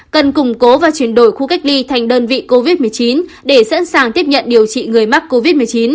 cần củng cố và chuyển đổi khu cách ly thành đơn vị covid một mươi chín để sẵn sàng tiếp nhận điều trị người mắc covid một mươi chín